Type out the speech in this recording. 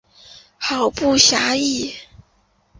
好不惬意